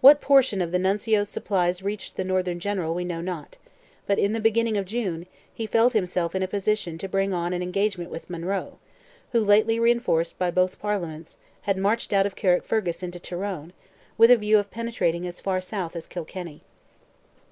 What portion of the Nuncio's supplies reached the Northern General we know not, but in the beginning of June, he felt himself in a position to bring on an engagement with Monroe, who, lately reinforced by both Parliaments, had marched out of Carrickfergus into Tyrone, with a view of penetrating as far south as Kilkenny.